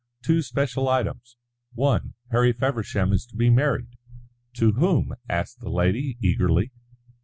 "Two special items. One, Harry Feversham is to be married." "To whom?" asked the lady, eagerly.